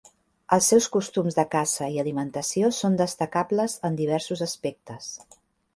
Els seus costums de caça i alimentació són destacables en diversos aspectes.